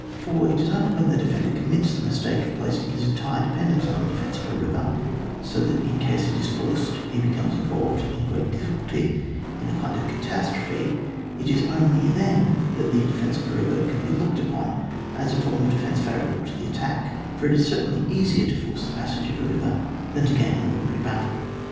4. It is only when the defender com mits the mistake of placing his entire dependence on the defence of a river, so that in case it is forced he becomes in volved in great difficulty, in a kind of catastrophe, it is only then that the de fence of a river can be looked upon as a form of defence favourable to the attack, for it is certcdnly easier to force the pas sage of a river than to gain an ordinary battle.